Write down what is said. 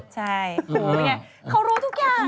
ใช่ไงเขารู้ทุกอย่าง